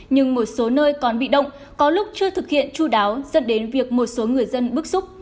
nhưng một số nơi còn bị động có lúc chưa thực hiện chú đáo dẫn đến việc một số người dân bức xúc